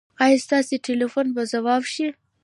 ایا ستاسو ټیلیفون به ځواب شي؟